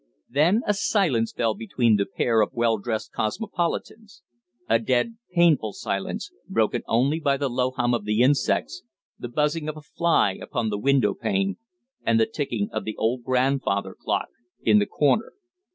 Then a silence fell between the pair of well dressed cosmopolitans a dead, painful silence, broken only by the low hum of the insects, the buzzing of a fly upon the window pane, and the ticking of the old grandfather clock in the corner.